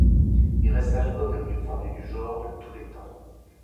Il reste l'album le mieux vendu du genre de tous les temps.